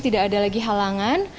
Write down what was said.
tidak ada lagi halangan